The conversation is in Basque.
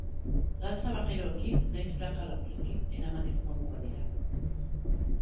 Galtza bakeroekin nahiz praka laburrekin eramateko modukoak dira.